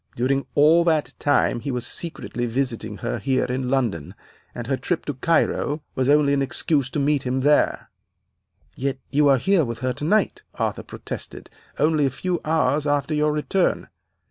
During all that time he was secretly visiting her here in London, and her trip to Cairo was only an excuse to meet him there.' "'Yet you are here with her tonight,' Arthur protested, 'only a few hours after your return.